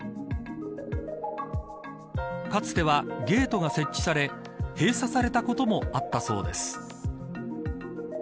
かつてはゲートが設置され閉鎖されたこともあったそうです。